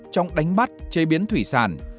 trong đánh bắt chế biến thủy sản